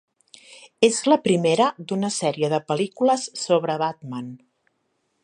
És la primera d'una sèrie de pel·lícules sobre Batman.